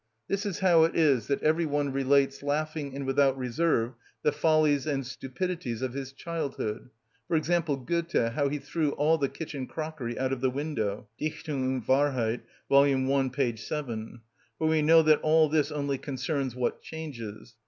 This is how it is that every one relates laughing and without reserve the follies and stupidities of his childhood. For example, Goethe, how he threw all the kitchen crockery out of the window (Dichtung und Wahrheit, vol. i. p. 7); for we know that all this only concerns what changes.